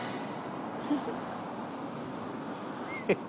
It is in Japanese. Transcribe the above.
「フフ！」